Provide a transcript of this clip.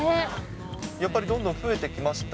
やっぱりどんどん増えてきました？